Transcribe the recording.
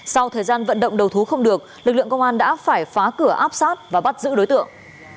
sau thời gian vận động đầu thú không được lực lượng công an đã phải phá cửa áp sát và bắt giữ đối tượng